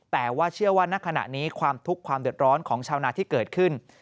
แต่ว่าเชื่อว่าณขณะนี้ความทุกข์ความเดือดร้อนของชาวนาที่เกิดขึ้น